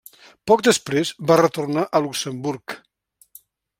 Poc després, va retornar a Luxemburg.